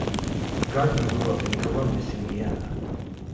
Garton grew up in Columbus, Indiana.